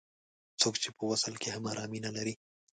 څوک چې په وصل کې هم ارامي نه لري.